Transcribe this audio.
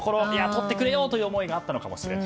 とってくれよというところがあったのかも。